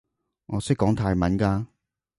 我識講泰文㗎